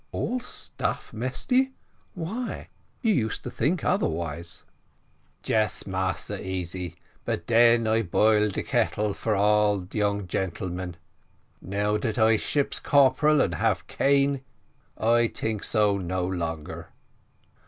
"All stuff, Mesty, why? you used to think otherwise." "Yes, Massa Easy, but den I boil de kettle for all young gentleman. Now dat I ship's corporal and hab cane, I tink so no longer."